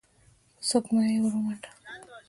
په سږمه يې ور ومنډل.